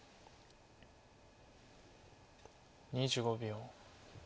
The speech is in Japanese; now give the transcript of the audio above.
２５秒。